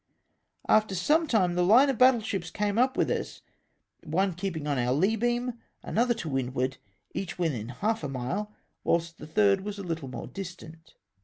After some time the line of battle ships came up with us, one keeping on our lee beam, another to windward, each within half a mile, whilst the third was a little more distant.